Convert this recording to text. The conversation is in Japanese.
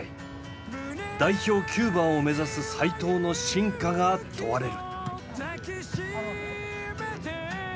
代表９番を目指す齋藤の真価が問われる。